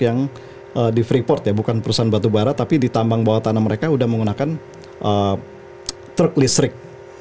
yang di freeport ya bukan perusahaan batu bara tapi di tambang bawah tanah mereka sudah menggunakan truck listrik